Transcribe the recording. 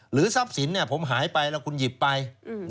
หรือสรรพสินผมหายไปตรงนั้นคุณก็หาไป